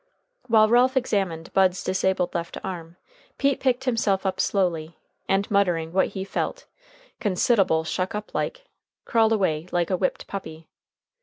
While Ralph examined Bud's disabled left arm Pete picked himself up slowly, and, muttering that he felt "consid'able shuck up like," crawled away like a whipped puppy.